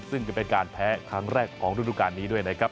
ซึ่งเป็นการแพ้ครั้งแรกของรุ่นรุ่นการนี้ด้วยนะครับ